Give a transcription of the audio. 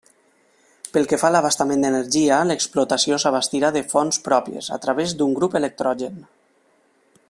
Pel que fa a l'abastament d'energia, l'explotació s'abastirà de fonts pròpies, a través d'un grup electrogen.